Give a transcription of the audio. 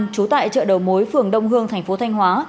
trú tại chợ đầu mối phường đông hương thành phố thanh hóa